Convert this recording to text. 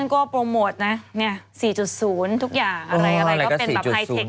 ก็เข้ามาสรรค์